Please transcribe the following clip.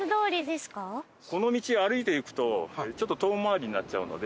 この道を歩いていくとちょっと遠回りになっちゃうので。